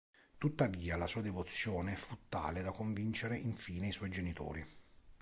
Tuttavia la sua devozione fu tale da convincere infine i suoi genitori.